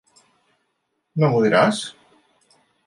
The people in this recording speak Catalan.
No m'ho diràs?